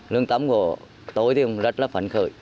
lương tâm của tôi thì cũng rất là phấn khởi